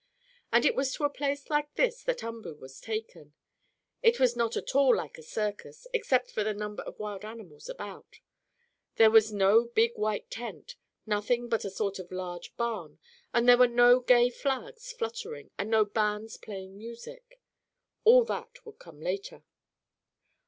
And it was to a place like this that Umboo was taken. It was not at all like a circus, except for the number of wild animals about. There was no big white tent; nothing but a sort of large barn, and there were no gay flags fluttering, and no bands playing music. All that would come later.